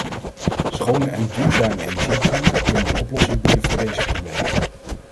Schone en duurzame energiebronnen kunnen een oplossing bieden voor deze problemen.